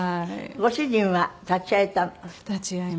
ご主人は立ち会えたの？